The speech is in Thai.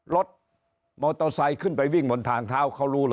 รถมอเตอร์ไซค์ขึ้นไปวิ่งบนทางเท้า